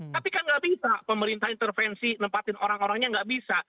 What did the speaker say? tapi kan nggak bisa pemerintah intervensi nempatin orang orangnya nggak bisa